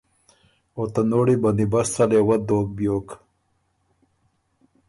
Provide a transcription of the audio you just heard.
او ته نوړی بندیبسته لې وۀ دوک بیوک۔